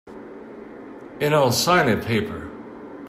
And I'll sign a paper.